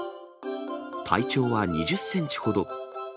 体長は２０センチほど。